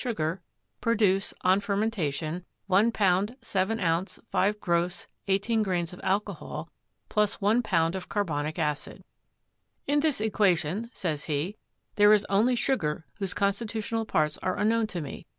sugar produce, on fermentation, 1 lb. 7 oz. 5 gros 18 grains of alcohol + 1 lb. of carbonic acid. "In this equation," says he, "there is only sugar whose constitutional parts are unknown to me.